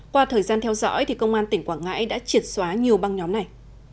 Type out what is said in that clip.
qua thời gian theo dõi thì công an tỉnh quảng ngãi đã triệt xóa nhiều băng nhóm này